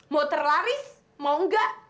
mau terlaris mau enggak